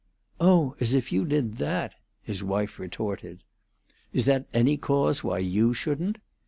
"Oh, as if you did that!" his wife retorted. "Is that any cause why you shouldn't?"